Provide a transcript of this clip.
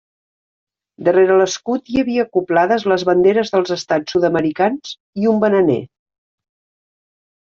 Darrere l'escut hi havia acoblades les banderes dels estats sud-americans i un bananer.